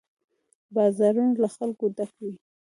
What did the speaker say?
بازارونه له خلکو ډک وي.